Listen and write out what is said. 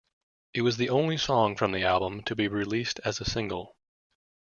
It was the only song from the album to be released as a single.